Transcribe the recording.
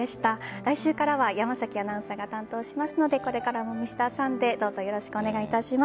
来週からは山崎アナウンサーが担当しますのでこれからも「Ｍｒ．サンデー」どうぞよろしくお願いいたします。